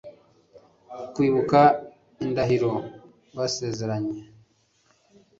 kwibuka indahiro basezeranye